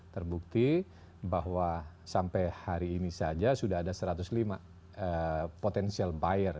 terbukti bahwa sampai hari ini saja sudah ada satu ratus lima potential buyer